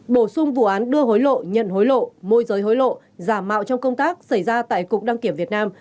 bổ sung vụ án đưa hối lộ nhận hối lộ môi giới hối lộ giả mạo trong công tác xảy ra tại cục đăng kiểm việt nam